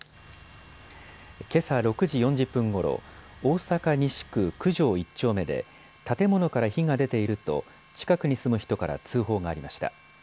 けさ６時４０分ごろ、大阪西区九条１丁目で建物から火が出ていると近くに住む人から通報がありました。